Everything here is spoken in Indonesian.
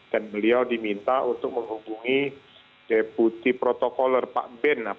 dan beliau diminta untuk menghubungi deputi protokoler pak ben